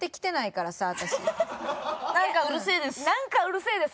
なんかうるせえです。